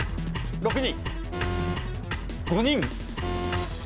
６人。